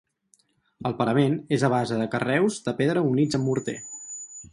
El parament és a base de carreus de pedra units amb morter.